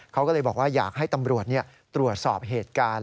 เขาก็เลยบอกว่าอยากให้ตำรวจตรวจสอบเหตุการณ์